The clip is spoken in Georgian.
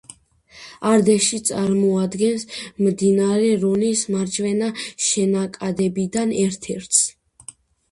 არდეში წარმოადგენს მდინარე რონის მარჯვენა შენაკადებიდან ერთ-ერთს.